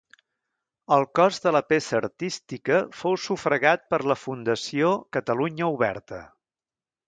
El cost de la peça artística fou sufragat per la Fundació Catalunya Oberta.